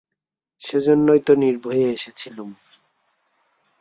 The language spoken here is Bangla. সেইজন্যই তো নির্ভয়ে এসেছিলুম।